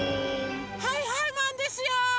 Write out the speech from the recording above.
はいはいマンですよ！